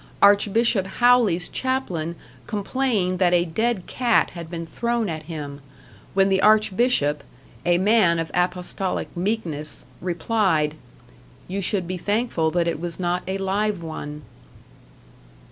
Archbishop Howley's chaplain complained that a dead cat had been thrown at him, when the Archbishop a man of apostolic meekness replied: "You should be thankful that it was not a live one."